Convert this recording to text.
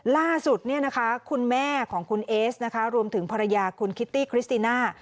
ล่าสุดคุณแม่ของคุณเอสนะคะรวมถึงภรรยาคุณคิตตี้คริสติน่า